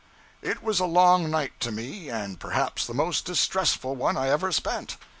It was a long night to me, and perhaps the most distressful one I ever spent.